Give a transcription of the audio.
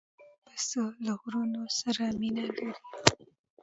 پسه له غرونو سره مینه لري.